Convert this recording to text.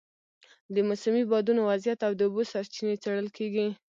د موسمي بادونو وضعیت او د اوبو سرچینې څېړل کېږي.